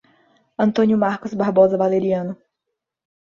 Antônio Marcos Barbosa Valeriano